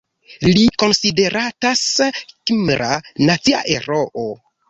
Li konsideratas kimra nacia heroo.